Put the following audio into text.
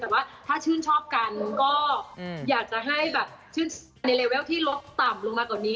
แต่ว่าถ้าชื่นชอบกันก็อยากจะให้แบบชื่นในเลเวลที่ลดต่ำลงมากว่านี้